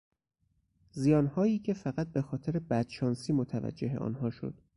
زیانهایی که فقط به خاطر بدشانسی متوجه آنها شد.